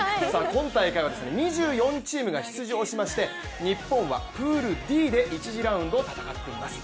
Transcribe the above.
今大会は２４チームが出場しまして、日本はプールＤで１次ラウンドを戦っています。